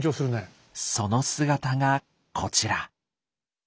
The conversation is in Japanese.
その姿がこちら。